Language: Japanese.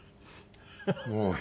もう。